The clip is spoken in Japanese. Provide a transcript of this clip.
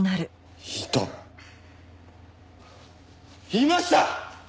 いました！